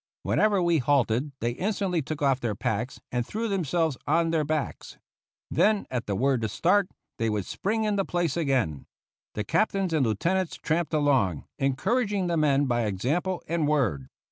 Whenever we halted they instantly took off their packs and threw themselves on their backs. Then at the word to start they would spring into place again. The captains and lieutenants tramped along, encouraging the men by example and word.